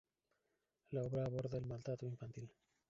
La obra aborda el maltrato infantil.